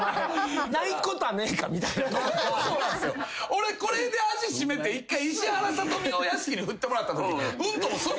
俺これで味占めて１回石原さとみを屋敷に振ってもらったとき。